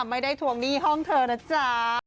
ไม่ได้ทวงหนี้ห้องเธอนะจ๊ะ